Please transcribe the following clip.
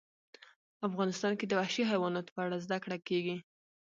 افغانستان کې د وحشي حیواناتو په اړه زده کړه کېږي.